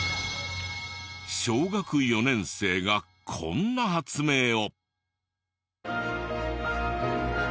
小学４年生がこんな発明を。